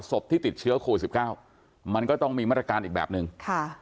ศพที่ติดเชื้อโควิดสิบเก้ามันก็ต้องมีมาตรการอีกแบบนึงค่ะ